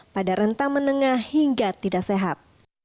pada rentang menengah hingga tidak sehat